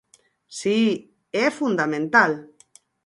Si, é fundamental.